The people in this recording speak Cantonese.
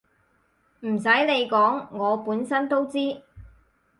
唔使你講我本身都知